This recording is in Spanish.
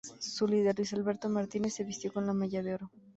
Su líder, Luis Alberto Martínez se vistió con la malla oro.